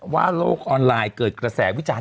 โลกออนไลน์เกิดกระแสวิจารณ